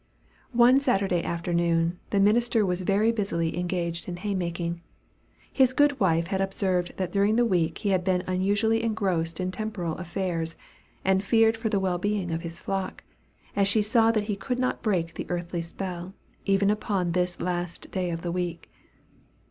One Saturday afternoon the minister was very busily engaged in hay making. His good wife had observed that during the week he had been unusually engrossed in temporal affairs, and feared for the well being of his flock, as she saw that he could not break the earthly spell, even upon this last day of the week.